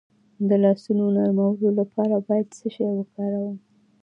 د لاسونو نرمولو لپاره باید څه شی وکاروم؟